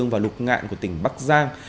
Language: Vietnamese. và lục ngạn của tỉnh bắc giang